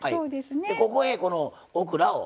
ここへこのオクラを。